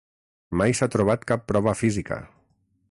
Mai s'ha trobat cap prova física.